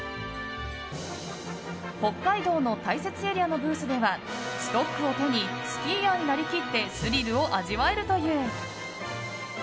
北海道の大雪エリアのブースではストックを手にスキーヤーになりきってスリルを味わえるという。